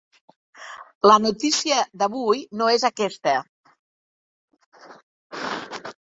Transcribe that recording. La notícia d’avui no és aquesta.